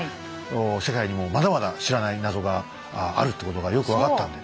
世界にもまだまだ知らない謎があるってことがよく分かったんで。